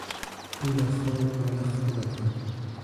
پول خرد مال خودتان!